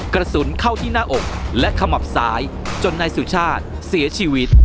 กระสุนเข้าที่หน้าอกและขมับซ้ายจนนายสุชาติเสียชีวิต